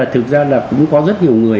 bây giờ thực ra là cũng có rất nhiều người